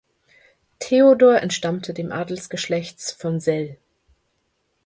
Theodor entstammte dem Adelsgeschlechts von Sell.